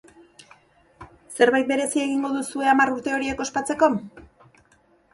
Zerbait berezia egingo duzue hamar urte horiek ospatzeko?